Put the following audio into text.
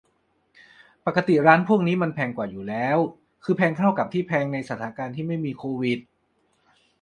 ปกติร้านพวกนี้มันแพงกว่าอยู่แล้ว คือแพงเท่ากับที่แพงในสถานการณ์ที่ไม่มีโควิด